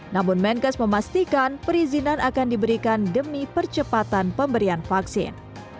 namun menkes memastikan perizinan akan diberikan demi percepatan pemberian vaksin